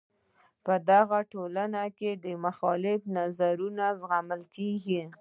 په دغو ټولنو کې مخالف نظرونه زغمل کیږي.